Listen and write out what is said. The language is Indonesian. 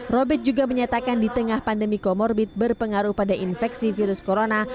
robert juga menyatakan di tengah pandemi komorbid berpengaruh pada infeksi virus corona